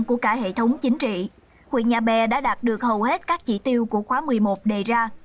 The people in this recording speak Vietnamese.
của cả hệ thống chính trị huyện nhà bè đã đạt được hầu hết các chỉ tiêu của khóa một mươi một đề ra